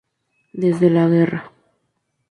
Desde de la guerra.